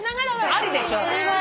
ありでしょ？